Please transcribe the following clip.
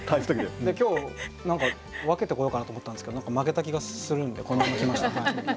今日何か分けてこようかなと思ったんですけど何か負けた気がするんでこのまま来ました。